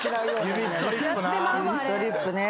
指ストリップね。